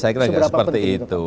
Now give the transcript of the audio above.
saya kira tidak seperti itu